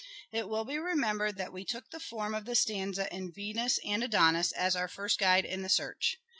It will be remembered that we took the form of the stanza in " Venus and Adonis " as our first guide in the search.